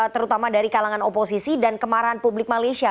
terutama dari kalangan oposisi dan kemarahan publik malaysia